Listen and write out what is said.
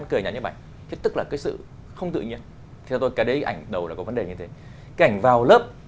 cũng cười như vậy